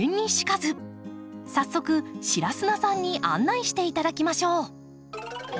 早速白砂さんに案内していただきましょう。